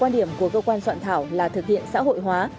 quan điểm của cơ quan soạn thảo là thực hiện xã hội hóa